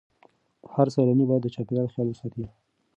هر سیلانی باید د چاپیریال خیال وساتي.